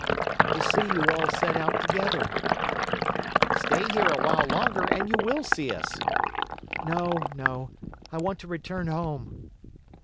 "To see you all set out together." "Stay here a while longer and you will see us!" "No, no. I want to return home."